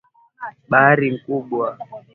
Bahari ni kubwa.